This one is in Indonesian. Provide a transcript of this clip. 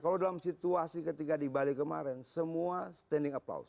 kalau dalam situasi ketika di bali kemarin semua standing aplause